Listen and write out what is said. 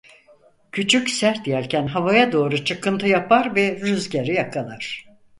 Küçük sert yelken havaya doğru çıkıntı yapar ve rüzgarı yakalar.